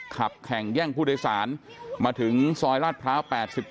ขับแข่งแย่งผู้โดยสารมาถึงซอยลาดพร้าว๘๗